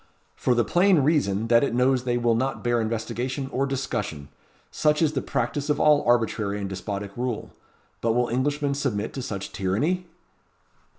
"For the plain reason, that it knows they will not bear investigation or discussion. Such is the practice of all arbitrary and despotic rule. But will Englishmen submit to such tyranny?"